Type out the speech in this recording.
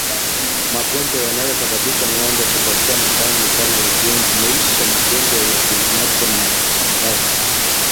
Magonjwa yanayosababisha ngombe kutokwa damu sana hujumuisha magonjwa ya kimeta na chambavu